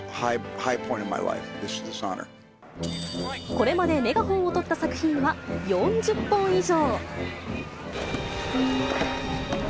これまでメガホンを執った作品は４０本以上。